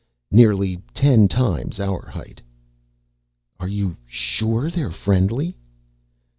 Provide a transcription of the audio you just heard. "Nearly ten times our height." "Are you sure they are friendly?"